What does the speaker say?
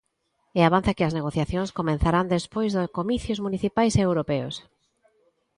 E avanza que as negociacións comezarán despois dos comicios municipais e europeos.